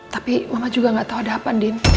tapi mama juga gak tau ada apa din